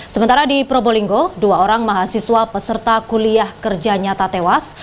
sementara di probolinggo dua orang mahasiswa peserta kuliah kerja nyata tewas